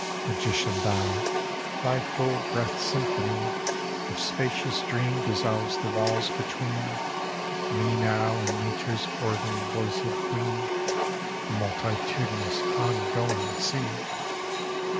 Magician thou! Thy full breathed symphony Of spacious dream dissolves the walls between Me now and nature's organ voicëd queen, The multitudinous ongoing sea!